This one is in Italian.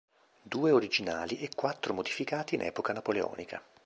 Due originali e quattro modificati in epoca napoleonica.